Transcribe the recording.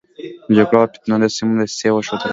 جګړو او فتنو د سيمې دسيسې وښودلې.